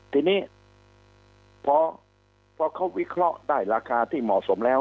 ทีนี้พอเขาวิเคราะห์ได้ราคาที่เหมาะสมแล้ว